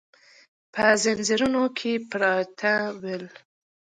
په ځنځیرونو کې پراته ول.